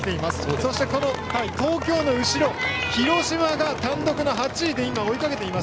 そして、東京の後ろ広島が単独８位で追いかけています。